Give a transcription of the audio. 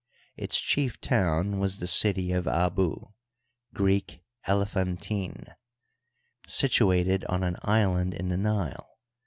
Its chief town was the city of Abu (Greek Ele phantind), situated on an island in the Nile.